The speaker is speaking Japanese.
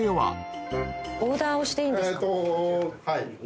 はい。